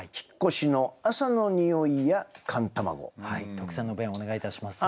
特選の弁をお願いいたします。